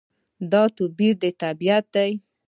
دا توپیر طبیعي دی.